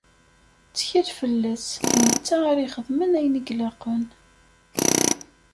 Ttkel fell-as, d netta ara ixedmen ayen i ilaqen.